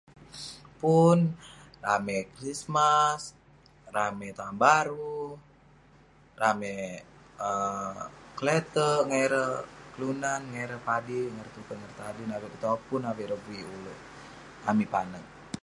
Pun, ramey krismas, ramey taun baru, ramey um kelete'erk ngan ireh kelunan, ngan ireh padik, ngan ireh tuken, ngan ireh tadin avik ireh topun avik ireh vik uleuk, amik panaq.